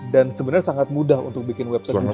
dan sebenarnya sangat mudah untuk bikin website judi online